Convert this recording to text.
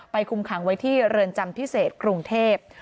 คุมขังไว้ที่เรือนจำพิเศษกรุงเทพ